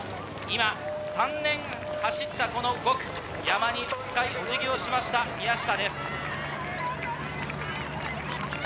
３年走ったこの５区、山に深いお辞儀をしました、宮下です。